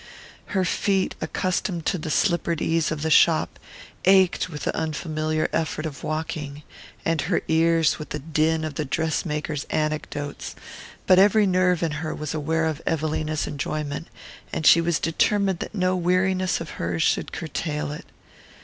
Her feet, accustomed to the slippered ease of the shop, ached with the unfamiliar effort of walking, and her ears with the din of the dress maker's anecdotes; but every nerve in her was aware of Evelina's enjoyment, and she was determined that no weariness of hers should curtail it.